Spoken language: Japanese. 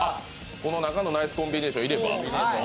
この中のナイスコンビネーションいれば。